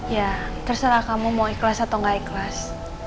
ya terserah kamu mau ikhlas atau nggak ikhlas